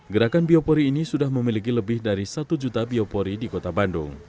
gerakan biopori ini sudah memiliki lebih dari satu juta biopori di kota bandung